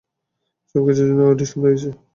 সবকিছুর জন্য অডিশন দিয়েছি।